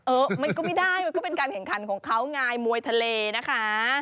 เออมันก็ไม่ได้มันก็เป็นการแข่งขันของเขาไงมวยทะเลนะคะ